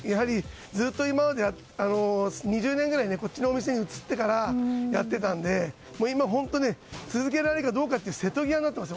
ずっと今まで、２０年くらいこっちのお店に移ってからやっていたので本当に続けられるかどうかという瀬戸際になってます。